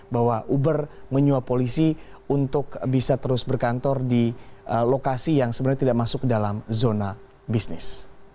bahwa uber menyuap polisi untuk bisa terus berkantor di lokasi yang sebenarnya tidak masuk ke dalam zona bisnis